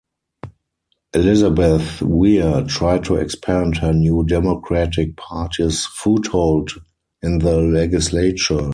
Elizabeth Weir tried to expand her New Democratic Party's foothold in the legislature.